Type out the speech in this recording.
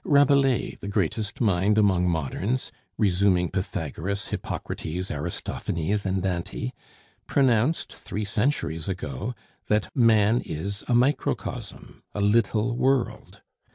Rabelais, the greatest mind among moderns, resuming Pythagoras, Hippocrates, Aristophanes, and Dante, pronounced three centuries ago that "man is a microcosm" a little world.